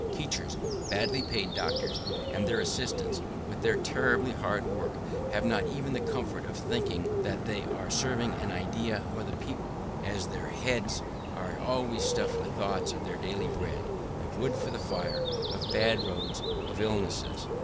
Teachers, badly paid doctors, and their assistants, with their terribly hard work, have not even the comfort of thinking that they are serving an idea or the people, as their heads are always stuffed with thoughts of their daily bread, of wood for the fire, of bad roads, of illnesses.